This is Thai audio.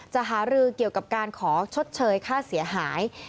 หารือเกี่ยวกับการขอชดเชยค่าเสียหาย